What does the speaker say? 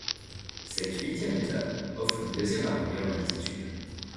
Cette huitième étape offre une deuxième arrivée en altitude.